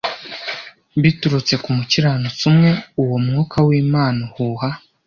biturutse ku mukiranutsi umwe uwo umwuka w'imana uhuha